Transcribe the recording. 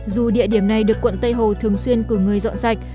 dù địa điểm này được quận tây hồ thường xuyên cử người dọn sạch